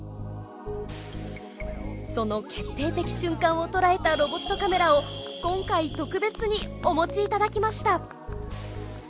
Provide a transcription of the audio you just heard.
その決定的瞬間を捉えたロボットカメラを今回特別にお持ち頂きました！